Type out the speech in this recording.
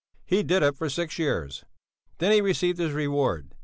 He did it for six years. Then he received his reward.